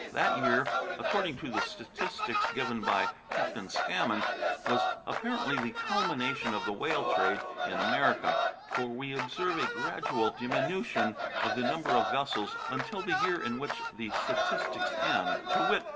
That year, according to the statistics given by Captain Scammon, was apparently the culmination of the whale trade in America, for we observe a gradual diminution in the number of vessels until the year in which the statistics end, viz.